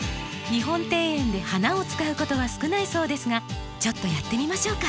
日本庭園で花を使うことは少ないそうですがちょっとやってみましょうか。